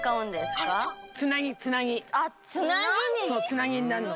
つなぎになるの。